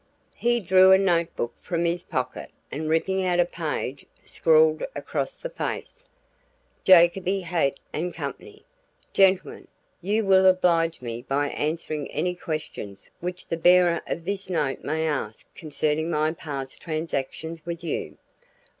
He drew a note book from his pocket and ripping out a page scrawled across the face: "JACOBY, HAIGHT AND CO. "Gentlemen: You will oblige me by answering any questions which the bearer of this note may ask concerning my past transactions with you.